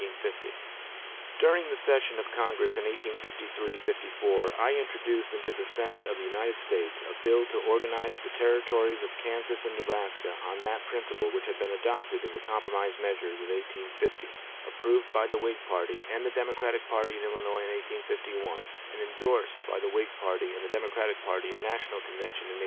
During the session of Congress of 1853 54, I introduced into the Senate of the United States a bill to organize the Territories of Kansas and Nebraska on that principle which had been adopted in the compromise measures of 1850, approved by the Whig party and the Democratic party in Illinois in 1851, and indorsed by the Whig party and the Democratic party in national convention in 1852.